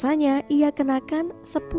bagaimana cara menangkap penumpang